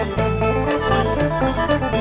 โชว์ฮีตะโครน